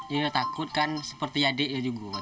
dia sudah takut kan seperti adik dia juga